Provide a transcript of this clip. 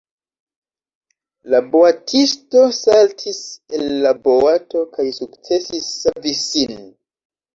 La boatisto saltis el la boato kaj sukcesis savi sin.